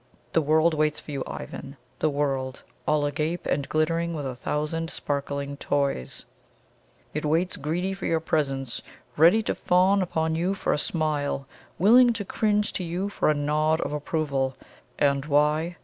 The world waits for you, Ivan the world, all agape and glittering with a thousand sparkling toys; it waits greedy for your presence, ready to fawn upon you for a smile, willing to cringe to you for a nod of approval. And why?